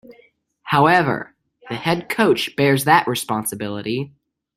However, the head coach bears that responsibility.